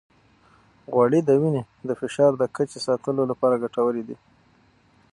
غوړې د وینې د فشار د کچې ساتلو لپاره ګټورې دي.